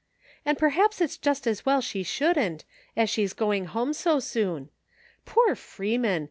" And perhaps it's just as well she shouldn't, as she's going home so soon. Poor Freeman!